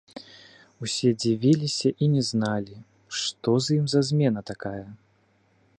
Усе дзівіліся і не зналі, што з ім за змена такая.